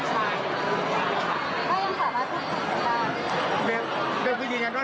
ถ้าในอนาคตส่วนก็คงสอบไม่ได้นะ